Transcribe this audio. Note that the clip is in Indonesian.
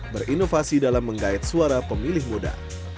berinovasi dalam menggait suara pemilih muda